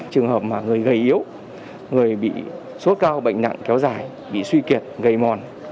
trường hợp mà người gầy yếu người bị sốt cao bệnh nặng kéo dài bị suy kiệt gầy mòn